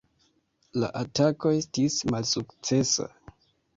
La atako estis malsukcesa.